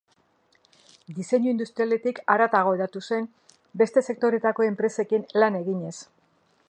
Diseinu industrialetik haratago hedatu zen beste sektoretako enpresekin lan eginez.